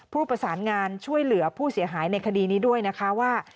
ผู้ประสานงานช่วยเหลือผู้เสียหายในคดีนี้ด้วยนะคะว่า